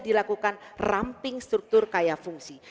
dilakukan ramping struktur kaya fungsi